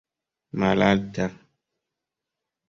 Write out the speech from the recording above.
malalta